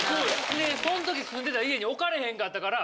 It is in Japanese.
でそん時住んでた家に置かれへんかったから。